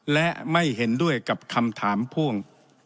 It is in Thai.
และไม่เห็นด้วยกับคำถามพ่วง